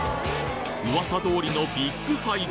噂通りのビッグサイズ。